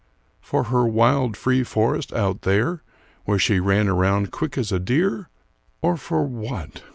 for her wild free forest out there, where she ran around quick as a deer? or for what?